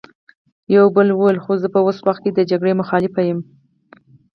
يوه بل وويل: خو زه په اوس وخت کې د جګړې مخالف يم!